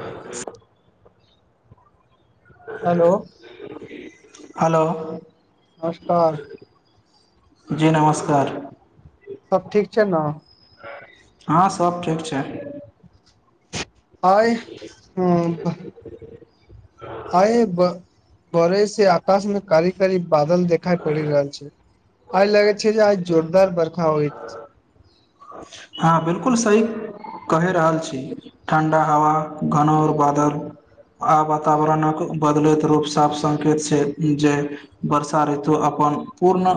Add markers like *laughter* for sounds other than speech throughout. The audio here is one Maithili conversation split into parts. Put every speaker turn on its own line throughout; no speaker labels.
ह
हेलो
*inaudible* हेलो
नमस्कार
जी नमस्कार
सब ठीक छै ने
हँ सब ठीक छै
आइ ह आय ब भोरै से आकाश मे कारी कारी बादल देखाई पड़ि रहल छै आइ लगे छै जे आइ जोरदार बरखा होइत
हँ बिल्कुल सही कहि रहल छी ठण्डा हवा घनो ओर बादल आ वातावरणक बदलैत रूप साफ संकेत छै जे वर्षा ऋतु अप अपन पूर्ण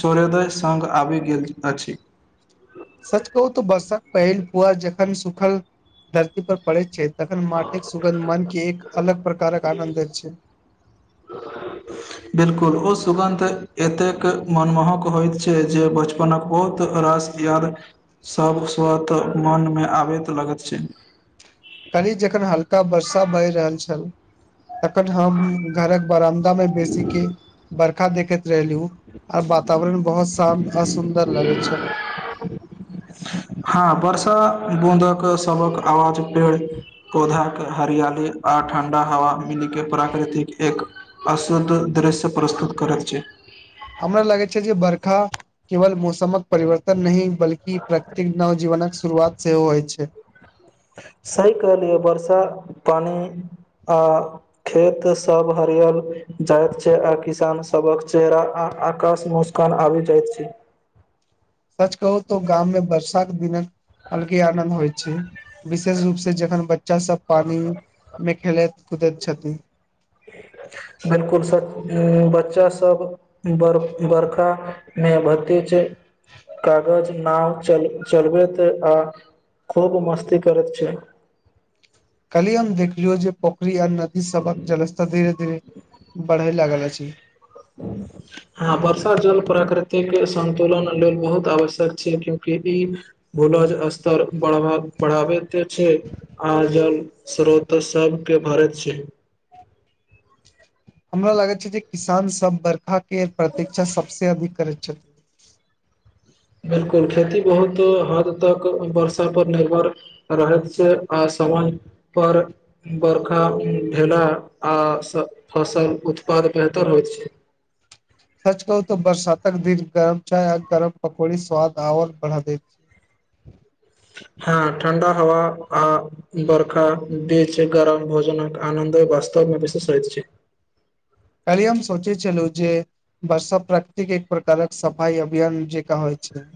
सूर्योदय सगं आबि गेल अछि
सच कहू तऽ बरषा पहिल फुआर जखन सुखल धरती पर पड़ै छै तखन माटिक सुगन्ध मन के एक अलग प्रकारक आनन्द हो छै *unintelligible*
बिल्कुल ओ सुगन्ध एतेक मनमोहक होइत छै जे बचपनक के बहुत रास याद सब स्वत मन मे आबैत लगत छै
काली जखन हल्का वर्षा भहि रहल छल तखट हम घरक बरामदा मे बेसी के बर्खा देखे रेलू आर वातावरण बहुत शान्त आ सुन्दर लगैत छल
हँ बर्षा बूँदक सबक आवाज पेड़ पौधाके हरियाली आ ठण्डा हवा मिल के प्राकृतिक एक अशुद्ध दृश्य प्रस्तुत करैत छै
हमरा लगैत जे बरखा केवल मौसमक परिवर्तन नहि बल्कि प्राकृतिक नव जीवनक शुरुआत सेहो होइ छै
सही कहलियै वर्षा पानि आ खेत सब हरियल जाइत छै आ किसान सबक चेहरा आ आकाश मुस्कान आब जाइत छै
सच कहू तो गाममे वर्षा के दिन अलगे आनन्द होइ छै विशेष रूप से जखन ब बच्चा सब पानी मे खेलैत कुदैत छथि
बिल्कुल बच्चा सब बर बर्खा मे भरती छै
*inaudible* *unintelligible*
कागज न चल चलबैत आ खूब मस्त करैत छै
कली हम देखलियौ जे पोखरी आ नदी सबक जलस्तर धीर
हँ बर्षा जल प्राकृतिक संतुलन लेल बहुत आवश्यक छै क्यूंकि ई भूलज स्तर बढ़ाबैत छै आ जल स्रोत सबके भरत छै
हमरा लागैत छै जे किसान सब बर्खाक के प्रतीक्षा सबसे अधिक करैत छथिन *inaudible* *unintelligible*
बिल्कुल खेती बहुत हद तक वर्षा पर निर्भर रहैत छै आ समय पर बरखा भेला आ फसल उत्पन्न बेहतर होइ छै
*inaudible* *unintelligible* सच कहू त बरसातक दिन गरम चाय आ गरम पकौड़ी स्वाद आओर बढ़ा दे ह
हँ ठण्डा हवा आ बर्खा बीच गरम भोजनक आनन्दो बस र्तमे विस स होैैत छी
*inaudible* *unintelligible* काले हम सोचै छलू जे बर्षा प्राकृतिक एक प्रकारक सफाई अभियान जेका होय अछा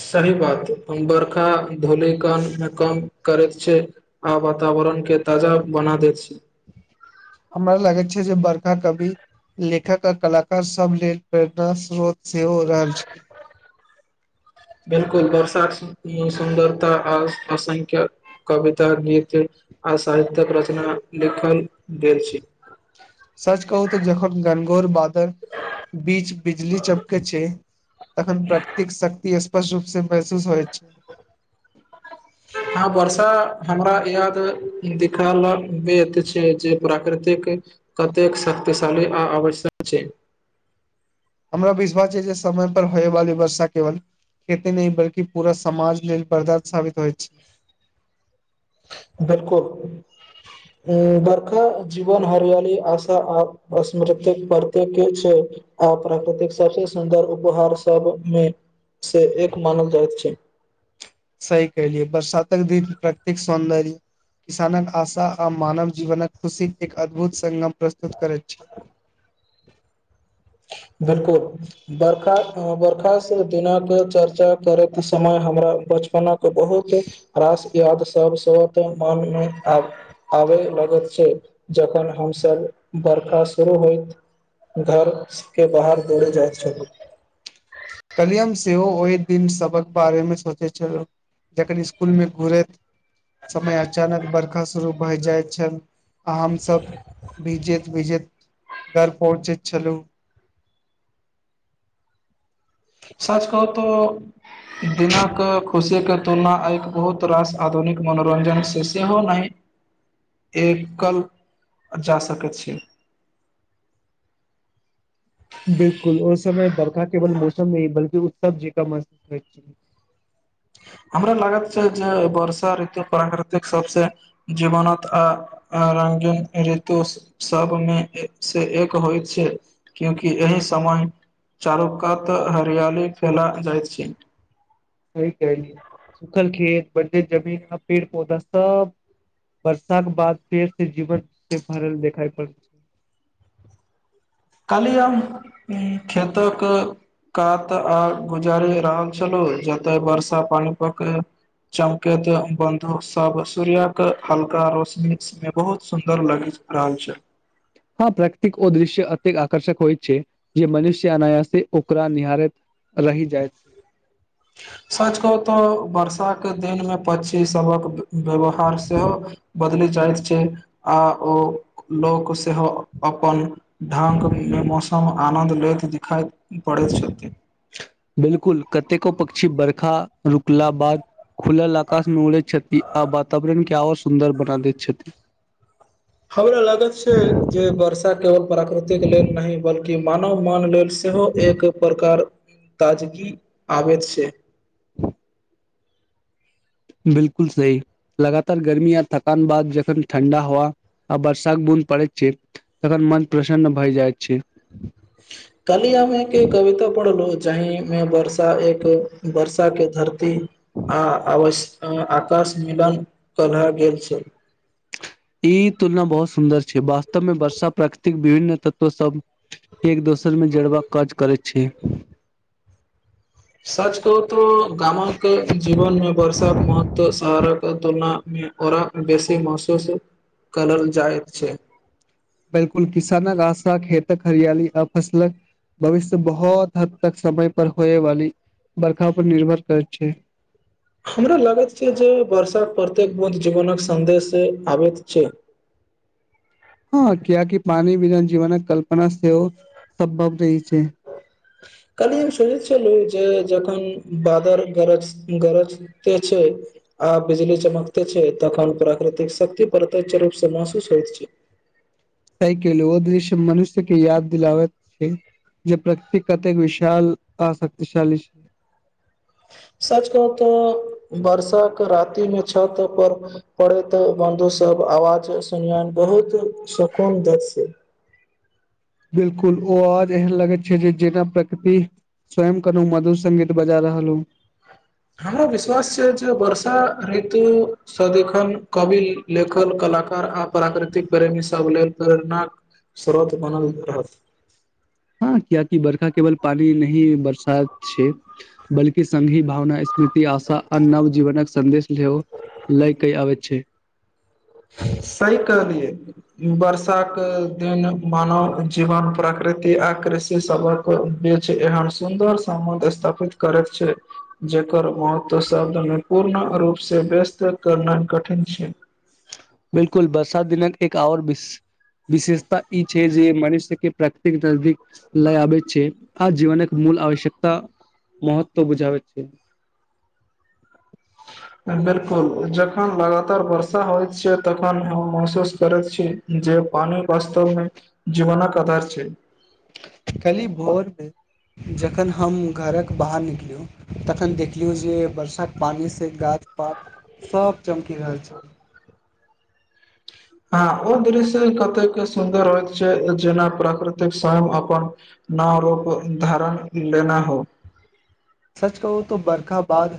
सही बात हम बर्खा धोल क मे कम करैत छै आ बता वातावरण के ताजा बना दैत
हमरा लागैत छै जे बरका कभी लेखक आ कलाकार सभ लेल प्रेरणा स्रोत सेहो रहल छै
बिलकुल बरसात सुन्दरता आ असंख्य कविता गीत आ साहित्य्यक रचना लिखल गेल छी
सच कहू तऽ जखन गनगौर बादर बीच बिजली चपके छै तखन प्राकृतिक शक्ति रूप से महसूस होइ छै
हँ वर्षा हमरा याद दिल छै जे प्राकृतिक कतेक शक्तिशाली आ आवश्यक छै
ह हमरा बझ छै जे समय पर होय वाली वर्षा केवल खेते नहि बल्कि पूरा समाज लेल बर्दात साबित होइत छै
बिलकुल ह बर्खा जीवन हरियली आशा आ अमृत प्रत्यके छै आ प्राकृतिक सबस सुन्दर उपहार सबमे से एक मानव जाइत छै
द प्रत्येक सौन्दर्य किसानक आशा आ मानव जीवनक खुशीक एक अद्भुत सगम प्रस्तुत करैत छै ह
बिलकुल बर्खा बर्खास्त दिनक चर्चा कर के समय हमरा बचपन के बहुत रास याद सब सतः मनमे आबय लगैत छै जखन हमसभ बर्खा सुुरू होइतइत घर स के बाहर दौड़ जाइ
कलियम सेहो ओहि दिन सभक बारेमे सोचैत छलहु जखन स्कूल में घुरैत समय अचानक बरखा शुरू भए जाय छै आम सब भिजैत विजैत घर पहुँचैत छलहुँ
साच कहू त दिनक खुशीके तुलना आ बहुत रास आधुनिक मनोरञ्जनसँ सेहो नहि एक कल जा सकैत छी
ह बिल्कुल ओइ समय बर्षा केवल मौसम नहि बल्कि उतसव जीका महसूस हो ह
हमरा लागत छै जे वर्षा ऋतु प्राकृतिक सबसे जीवनत आ न ऋतु सबमे से एक होइत छै क्यूकि एहि समय चालुकातः हरियाली फैला जाइत छै
स क सुखल खेत बे जमीन पेड़ पौधा सब वर्षाका बाद पेड़ से जीवन से भरल दिाई पड़ छै ह *inaudible*
काली हम खेतक कात आ गुजारि रहल छलहु जतय वर्षा पानि प के चमकेैत बन्धु सब सूर्य के हल्का रोशनी में बहुत सुंदर लगे छै आम छै
हँ प्रकृतिक ओ दृश्य अतेक आकर्षक होइत छै जे मनुष्य अनायस ओकरा निहारहारित अ्ही जायज छै
सच कहू तऽ बर्षा के दिनमे पच्ची सबक व्यवहार सेहो जाइत छै आ ओ लोक सेहो अपन ढङंग मे मौसम आनन्द लैत दिखाइत
बिल्कुल कतेको पक्षी बर्खा रुकला बाद खुलल आकाशमे उड़ैत छथि आ वातावरण क आओर सुन्दर बना दैत छथि
हमरा लागत छै जे वर्षा केवल प्रकृतिक लेल नहि बल्कि मानव मान लेल से सेहो एक प्रकार ताजगी आबैत छै
बिलकुल सही लगातार गर्मी य थकान बाद जखन ठण्डा हावा आ बरसाक बुन पड़ छै तन मन प्रसन्न भइ जा छै
कलियामे एक कविता पढ़लो जहिमे वर्षा एक वर्षा के ध धरती आ आवश आकाश मिलन कहल गेल छै
ई तुलना बहुत सुन्दर छै वास्तव मे वर्षा प्रकृतिक विभिन्न तत्व सब एक दोसरमे जड़बाक काज करैत छी
सच कहू तऽ गाम के जीवन मे वर्षाके महत्व सहारा तुलनामे और बेसी महसूस कलर जायत छै
बिलकुल किसानक आशा खेतक हरियाली अ फसलक भविष्य बहुत हद तक समय पर होय वाली बरखा पर निर्भर करैत छै
हमरा लगैत छै जे वर्षाक प्रत्येक बुध जीवनक संन्देश आबैत छै
हँ कियाकि पानि बिना जीवन कल्पना सेहो सम्भव नहि छै
काली एम सुज छै जे जे जखन बादल गरज गरजते छै आ बिजली चमकते छै छै तखन प्राकृतिक शक्ति प्रत्य्ष रूप से महसूस होइत छै
साइके लू ओ दृश्य मनुष्यके याद दिलवैत छै जे प्रकति कतेक विशाल आ शक्तिशाली छै
सच कह तऽ बर्षा के राति मे छत पर पड़े तऽ बन्दु ओ सब आवाज सुनयन बहुत सुकून दद से
*inaudible* बिलकुल ओ आज एहन लगे छै जे जेना प्रकृति स्वयं कनु मधुर सगीत बजा रहल कहलाऊ
हमरो विश्वास छै जे वर्षा ऋतुसँ देखन कवि लेखल कलाकार आ प्राकृतिक प्रेमी सब लेल प्रेरणाक स्रोत बनल रहत
हँ कियाकि बरखा केवल पानी नहि बरसात छै बल्कि संघी भावना इसमे कि आशा आ नव जीवन क संदेश लेहो लै कई आबे छै
सही कहलियै बर्षाक दिन मानव जीवन प्रकृति आ कृषि सबक बीच एहन सुदर समध स्थापित करैत छै जेकर महत्व शब्द पूर्ण रूप से व्यस्त करना कठिन छै
बिलकुल बरसात दिनक एक ओर विशेषता ई छै जे मनुष्यके प्राकृतिक नदीक लय आबै छै आ जीवन म आवश्यकता महत्व बुझाबे छै
*unintelligible* जखन लगातार वर्षा होइ छैत तखन हम महसूस करे छी जे पानी वास्तवमे जीवन क आधार छै
कली भोरमे जखन हम घरक बाहर निकलियू तखन देखलियहुँ जे बरसाक पानि से गा ात सब चमकि रहल छै
हँ ओ दृश्य कतेक सुन्दर होइत छै जेना प्राकृतिक समय अपन न रोप धारण लेना हो
सच कहू तो बर्खा बाद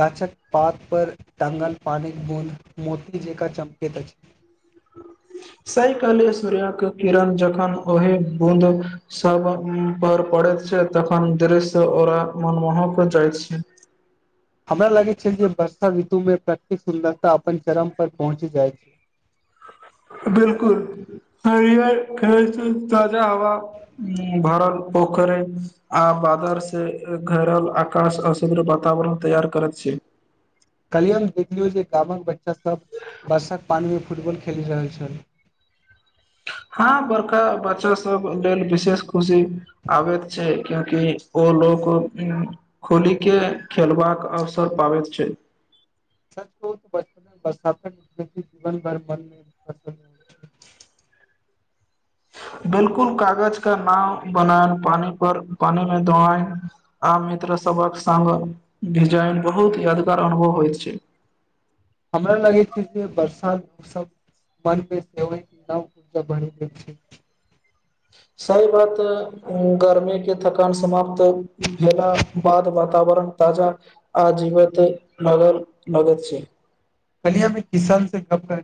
गाछक पात पर टांगल पानी बूंद मोती जका चमके दची *inaudible*
सइ काहलिये सूर्य्यक किरण जखन ओहे बूद सब पर पड़ *unintelligible* तखन दृश ओरा मनमोहक जाइ छै
*inaudible* हमरा लगै छै जे वर्षा ऋतु मे प्रतेक सुन्दरता अपन चरम पर पहुँच जाइ छै *inaudible*
बिल्कुल ह ख ताजा हवा भर पोखरी आ आदर्श घैरल आकाश अशद वातावरण तैयार करैत छै
ह कल्हि हम देखियौ जे गामक बच्चासभ वरषाक पानमे फुटबॉल खेलि रहल छल ह
हाँ बड़का बच्चा सब लेल विशेष खुशी आबैत छै क्यूंकि ओ लोग खोली के खेलबाक अवसर पाबैत छै
ह *inaudible* सच कह त बचपनमे जीवन भर मन नहि पस हो छै ह *inaudible* ह *inaudible*
बिलकुल कागज क नाम बनाए पानी पर पानी मे दोआए आम मित्रसँ सबक संगग डिजाइन बहुत यादगार अनुभव होयइत छै
हमरा लगै छै जे बरसात मस मनमे से न ऊर्जा ब छै
सही बात गर्मीके थकान समाप्त भेला बाद वातावरण ताजा आ जीवत नगर नगद छै
कलियामे किसान से गप कर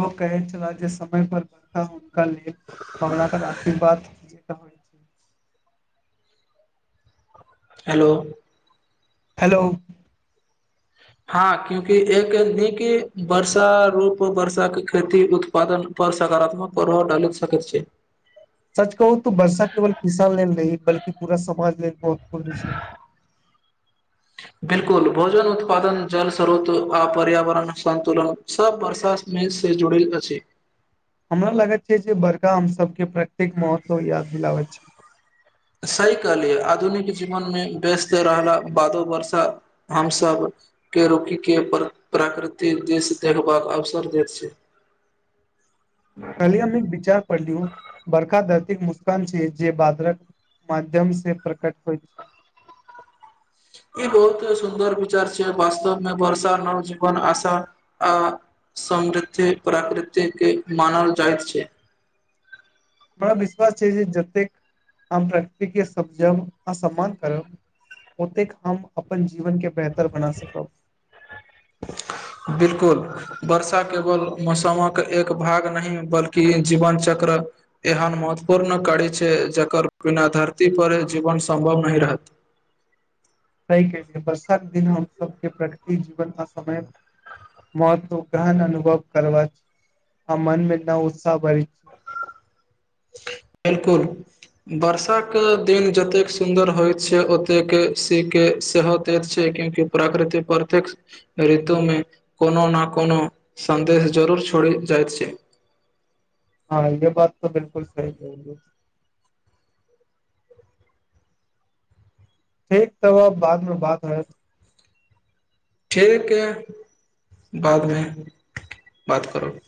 ओ कह च जे समय पर बर्ा हो क कराक आशीर्वाद जे छै
हेलो
हेलो
हँ क्यूंकि एक नीक वर्षा रूप वर्षा के खेती उत्पादन पर सकारात्मक पर्व डालि सक छै
सच कहू तऽ वर्षा केवल किसान लेल रही बल्कि पूरा समाज लेल महुत्वपूर्ण छै ह *inaudible*
बिलकुल भोजन उत्पादन जल स्रोत आ पर्यावरण संन्तुलन सब वर्षामे से जुड़ल अछि
हमरा लागैत छै जे बड़का हमसभके प्रत्येक महत्व याद दिलाबैत छी
सही कहली आधुनिक जीवन मे व्यस्त रहला बादो वर्षा हमसभ के रूकी के प्राकृतिक दृश देखबाक अवसर दैत छै
काल्हि हम‌ एक बिचार पड़लु बरका दश मुस्कान छै जे बातरक माध्यम से प्रकट होइ छै
ई बहुत सुन्दर विचार छै वास्तवमे वर्षा नव जीवन आशा आ समृद्धि प्रकृति के मानल जाइतत छै
ह *inaudible* मरा विश्वास छै जे जतेक आम प्रकति के समजब आ सम्मान करब ओतेक हम अपन जीवनके बेहतर बना सकब
बिलकुल वर्षा केवल मौसमक एक भाग नहि बल्कि जीवनचक्र यहाँ महत्वपूर्ण कड़ी छै जकर बिना धरती पर जीवन सम्भव न रहत
त केलि वर्षाक दिन हम सबके प्रकृति जीवन आ समय मत्व गहन अनुभव कर हम मनमे न उत्साह बरैत छी
बिल्कुल वर्षा के दिन जतेक सुन्दर होइत छै ओतेक सी के सेह दैत छै क्यंकि प्रकृतििक प्रत्यक ऋतुमे कोनो न कोनो संदेश जरूर छड़े जाइत छै
हँ ये बात तऽ बिल्कुल सही कहै ठीक तब बादमे बात होयत
ठीक य बादमे बात करब